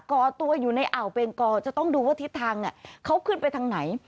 ่อตัวอยู่ในอ่าวเบงกอจะต้องดูว่าทิศทางเขาขึ้นไปทางไหน